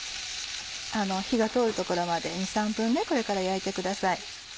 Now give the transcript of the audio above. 火が通るところまで２３分これから焼いてください。